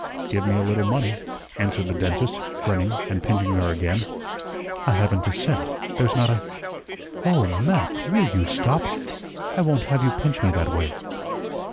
"Give me a little money," answered the dentist, grinning, and pinching her again. "I haven't a cent. There's not a oh, MAC, will you stop? I won't have you pinch me that way."